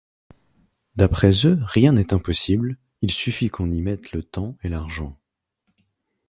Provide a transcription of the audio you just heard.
D'après eux, rien n'est impossible, il suffit qu'on y mette le temps et l'argent.